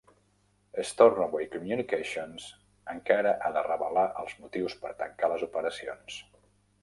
Stornoway Communications encara ha de revelar els motius per tancar les operacions.